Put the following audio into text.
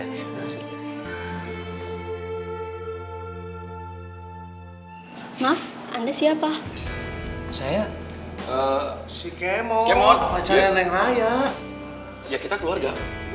hai maaf anda siapa saya si kemot kemot pacar nenek raya ya kita keluarga